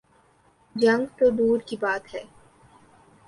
جنگ تو دور کی بات ہے۔